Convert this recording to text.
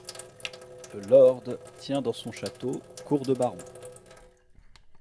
Le lord tient dans son château cour de baron.